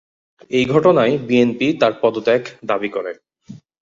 এই ঘটনায় বিএনপি তার পদত্যাগ দাবী করে।